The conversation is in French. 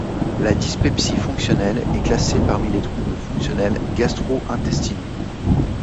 La dyspepsie fonctionnelle est classée parmi les troubles fonctionnels gastro-intestinaux.